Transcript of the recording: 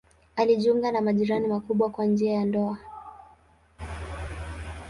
Alijiunga na majirani wakubwa kwa njia ya ndoa.